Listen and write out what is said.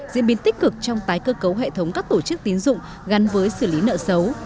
diễn biến tích cực trong tái cơ cấu hệ thống các tổ chức tín dụng gắn với xử lý nợ xấu